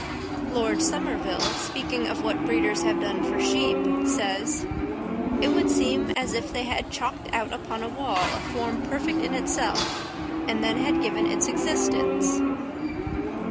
Lord Somerville, speaking of what breeders have done for sheep, says: "It would seem as if they had chalked out upon a wall a form perfect in itself, and then had given it existence."